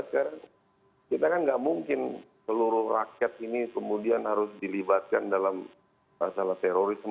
karena kita kan nggak mungkin seluruh rakyat ini kemudian harus dilibatkan dalam masalah terorisme